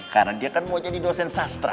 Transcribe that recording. karena dia kan mau jadi dosen sastra